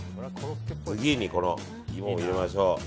次にイモを入れましょう。